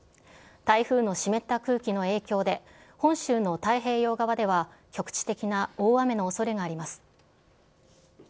台風の湿った空気の影響で、本州の太平洋側では、局地的な大雨のおそれがあります。